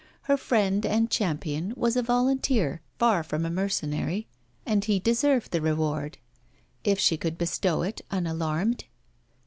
Her friend and champion was a volunteer, far from a mercenary, and he deserved the reward, if she could bestow it unalarmed.